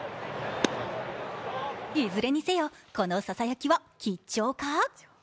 いずれにせよこのささやきは吉兆か。